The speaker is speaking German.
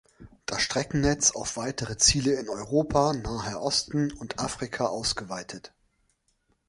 Das Streckennetz auf weitere Ziele in Europa, Naher Osten und Afrika ausgeweitet.